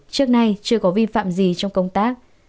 trước nay chưa có vi phạm gì trong công tác